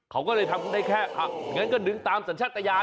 เขาก็เลยทำได้แค่งั้นก็ดึงตามสัญชาติยาน